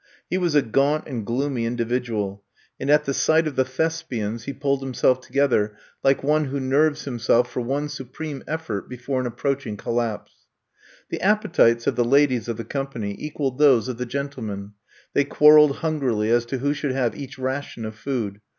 He was a gaunt and gloomy in dividual, and at the sight of the Thespians 106 I'VE COMB TO STAY 107 he pulled himself together like one who nerves himself for one supreme effort be fore an approaching collapse. The appetites of the ladies of the com pany equaled those of the gentlemen. They quarreled hungrily as to who should have each ration of food.